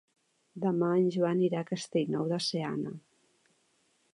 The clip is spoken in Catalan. Demà en Joan irà a Castellnou de Seana.